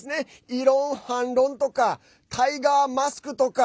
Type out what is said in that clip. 異論・反論とかタイガーマスクとか。